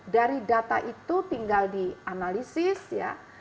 dari data itu tinggal dianalisis ya